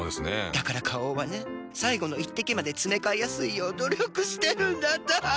だから花王はね最後の一滴までつめかえやすいよう努力してるんだって。